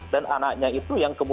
dan anaknya itu yang kemudian